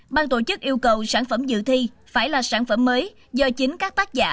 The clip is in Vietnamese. ban tổ chức yêu cầu sản phẩm dự thi phải là sản phẩm mới do chính các tác giả